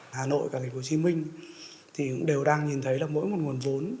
hà nội và hồ chí minh thì đều đang nhìn thấy là mỗi một nguồn vốn